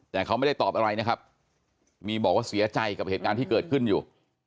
แต่เขาไม่ได้ตอบอะไรนะครับมีบอกว่าเสียใจกับเหตุการณ์ที่เกิดขึ้นอยู่